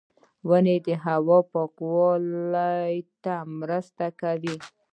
• ونه د هوا پاکوالي ته مرسته کوي.